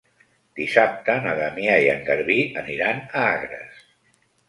Dissabte na Damià i en Garbí aniran a Agres.